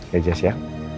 ya jess ya